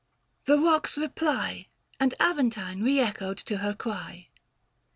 , The rocks reply, And Aventine re echoed to her cry.